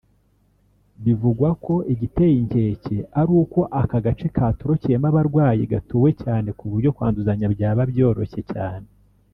Bivugwa ko igiteye inkeke ari uko aka gace katorokeyemo abarwayi gatuwe cyane ku buryo kwanduzanya byaba byoroshye cyane